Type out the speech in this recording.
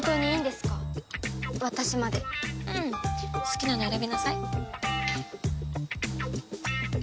好きなの選びなさい。